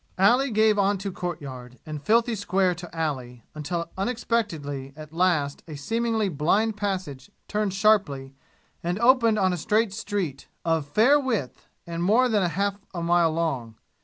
Alley gave on to courtyard, and filthy square to alley, until unexpectedly at last a seemingly blind passage turned sharply and opened on a straight street, of fair width, and more than half a mile long.